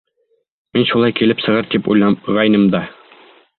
Мин шулай килеп сығыр тип уйлағайным да.